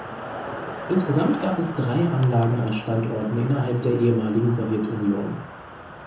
Insgesamt gab es drei Anlagen an Standorten innerhalb der ehemaligen Sowjetunion.